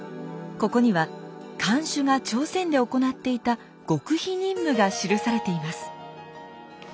ここには館守が朝鮮で行っていた極秘任務が記されています。